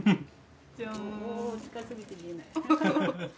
おお近すぎて見えない。